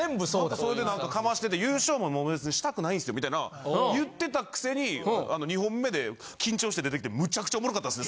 それで何かかましてて「優勝ももう別にしたくないんすよ」みたいな言ってたくせに２本目で緊張して出てきてむちゃくちゃおもろかったんですね